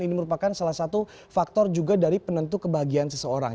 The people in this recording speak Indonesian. ini merupakan salah satu faktor juga dari penentu kebahagiaan seseorang